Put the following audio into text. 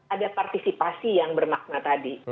ada partisipasi yang bermakna tadi